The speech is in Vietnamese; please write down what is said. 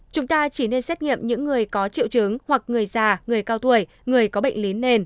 chúng ta chỉ nên xét nghiệm những người có triệu chứng hoặc người già người cao tuổi người có bệnh lý nền